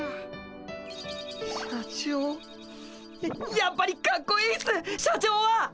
やっぱりかっこいいっす社長は！